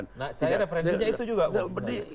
nah saya referensinya itu juga